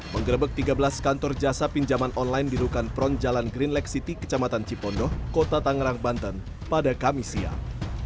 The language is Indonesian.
mengerebek tiga belas kantor jasa pinjaman online di rukan fron jalan green lake city kecamatan cipondoh kota tangerang banten pada kamis siang